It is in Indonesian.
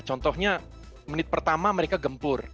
contohnya menit pertama mereka gempur